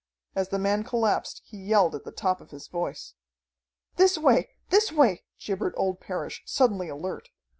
As the man collapsed he yelled at the top of his voice. "This way! This way!" gibbered old Parrish, suddenly alert.